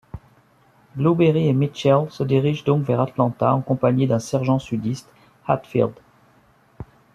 Blueberry et Mitchell se dirigent donc vers Atlanta en compagnie d'un sergent sudiste, Hatfield.